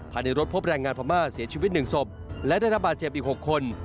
ภายในรถพบแรงงานพม่าเสียชีวิต๑ศพและได้รับบาดเจ็บอีก๖คน